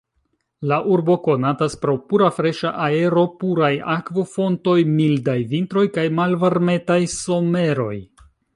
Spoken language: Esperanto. La urbo konatas pro pura freŝa aero, puraj akvofontoj, mildaj vintroj kaj malvarmetaj someroj.